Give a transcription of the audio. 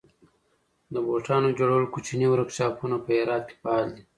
د بوټانو جوړولو کوچني ورکشاپونه په هرات کې فعال دي.